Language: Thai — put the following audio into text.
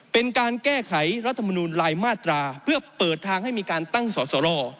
เป็นการแก้ไขรัฐมนูลลายมาตราเพื่อเปิดทางให้มีการตั้งสอสร